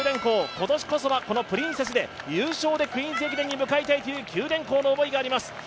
今年こそは、このプリンセスで優勝でクイーンズ駅伝に向かいたいという九電工の思いがあります。